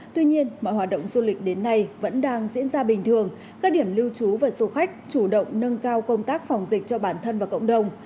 tuy nhiên mọi hoạt động du lịch đến nay vẫn đang diễn ra bình thường các điểm lưu trú và du khách chủ động nâng cao công tác phòng dịch cho bản thân và cộng đồng